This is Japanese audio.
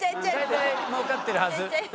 大体もうかってるはず。